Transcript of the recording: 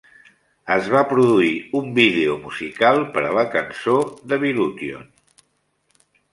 Es va produir un vídeo musical per a la cançó Devilution.